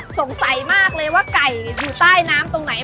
สงสัยมากเลยว่าไก่อยู่ใต้น้ำตรงไหน